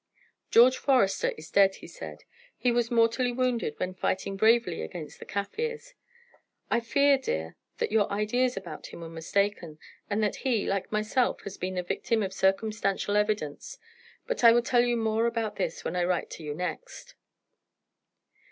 "George Forester is dead," he said. "He was mortally wounded when fighting bravely against the Kaffirs. I fear, dear, that your ideas about him were mistaken, and that he, like myself, has been the victim of circumstantial evidence; but I will tell you more about this when I write to you next."